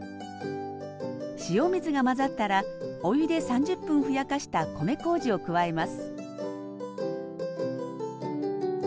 塩水が混ざったらお湯で３０分ふやかした米こうじを加えます